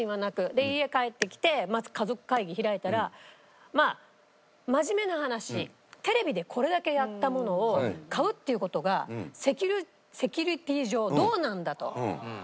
で家帰ってきてまず家族会議開いたらまあ真面目な話テレビでこれだけやったものを買うっていう事がセキュリティー上どうなんだと夫に言われ。